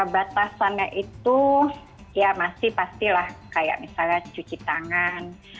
batasannya itu ya masih pastilah kayak misalnya cuci tangan